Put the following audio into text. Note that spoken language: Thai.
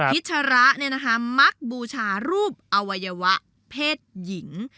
ชระมักบูชารูปอวัยวะเพศหญิง